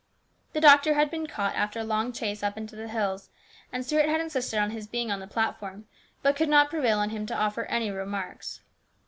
The doctor had been caught after a long chase up into the hills, and Stuart had insisted on his being on the platform, but could not prevail on him to offer any remarks.